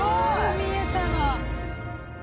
見えたの？